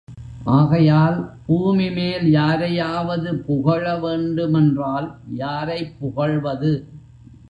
ஆகையால் பூமி மேல் யாரையாவது புகழ வேண்டுமென்றால் யாரைப் புகழ்வது?